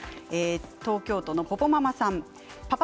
東京都の方からです。